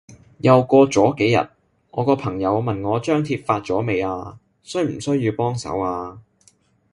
又過咗幾日，我個朋友問我張貼發咗未啊？需唔需要幫手啊？